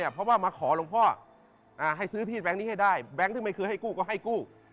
เพราะว่ามาขอหลวงพ่อให้ซื้อที่แบงค์นี้ให้ได้แบงค์ที่ไม่เคยให้กู้ก็ให้กู้